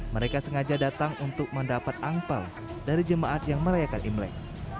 mereka sengaja datang untuk mendapat angpao dari jemaat yang merayakan imlek